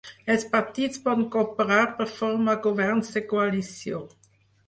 Els partits poden cooperar per formar governs de coalició.